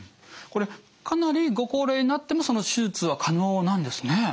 これかなりご高齢になっても手術は可能なんですね。